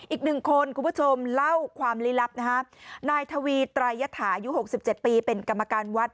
อีกหนึ่งคนคุณผู้ชมเล่าความลี้ลับนะฮะนายทวีไตรยฐาอายุ๖๗ปีเป็นกรรมการวัด